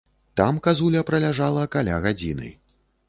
Там казуля праляжала каля гадзіны.